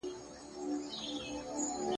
زما په دې وړوكي ژوند كي